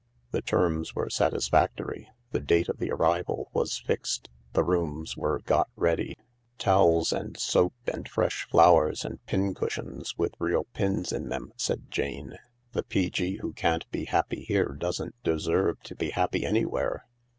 The terms were satisfactory, the date of the arrival was fixed, the rooms were got ready. "Towels and soap and fresh flowers ajnd pincushions with real pins in them," said Jane. "The P.G. who can't be happy here doesn't deserve to be happy anywhere."